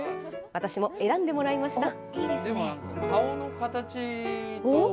私も選んでもらいました。